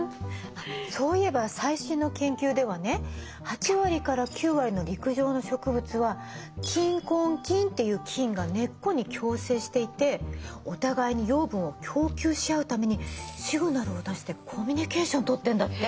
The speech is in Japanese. そういえば最新の研究ではね８割から９割の陸上の植物は菌根菌っていう菌が根っこに共生していてお互いに養分を供給し合うためにシグナルを出してコミュニケーションをとってんだって！